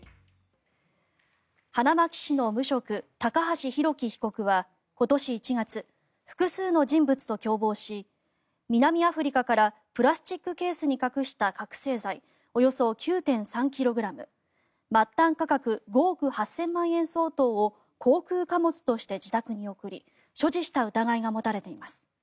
花巻市の無職高橋祐輝被告は今年１月複数の人物と共謀し南アフリカからプラスチックケースに隠した覚醒剤およそ９．３ｋｇ末端価格５億８０００万円相当を航空貨物として自宅に送り所持した疑いが持たれています。